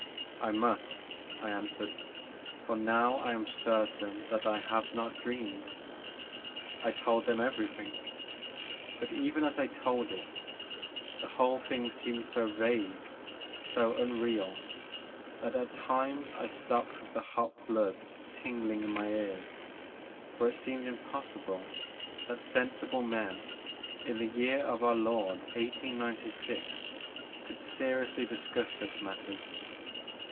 I must,*' I answered, for now I am certain that I have not dreamed. I told them everything ; but, even as I told it, the whole thing seemed so vague, so unreal, that at times I stopped with the hot blood tingling in my ears, for it seemed impossible that sensible men, in the year of our I/)rd 1896 could seriously discuss such matters.